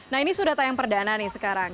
nah ini sudah tayang perdana nih sekarang